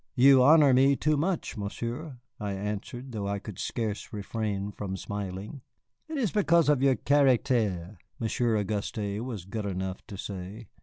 "You honor me too much, Monsieur," I answered, though I could scarce refrain from smiling. "It is because of your charactair," Monsieur Auguste was good enough to say.